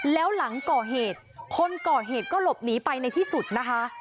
แล้วหลังก่อเหตุคนก่อเหตุก็หลบหนีไปในที่สุดนะคะ